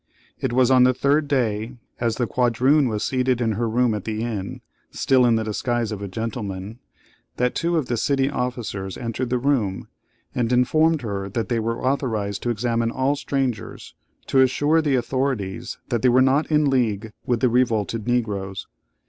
It was on the third day, as the quadroon was seated in her room at the inn, still in the disguise of a gentleman, that two of the city officers entered the room, and informed her that they were authorised to examine all strangers, to assure the authorities that they were not in league with the revolted Negroes.